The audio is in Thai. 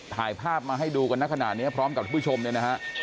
ถ่ายภาพมาให้ดูกันนะขนาดนี้พร้อมกับทุกผู้ชมเนี่ยนะฮะ